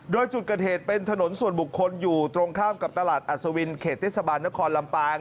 โดยจุดเกิดเหตุเป็นถนนส่วนบุคคลอยู่ตรงข้ามกับตลาดอัศวินเขตเทศบาลนครลำปาง